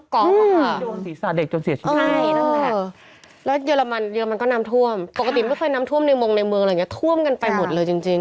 ใครเล่นออกไม่กำลังมาเลย